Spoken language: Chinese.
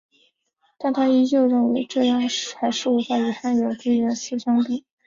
但她依旧认为这样还是无法与汉阳归元寺相比。